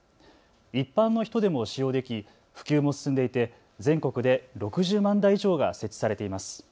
一般の人でも使用でき普及も進んでいて全国で６０万台以上が設置されています。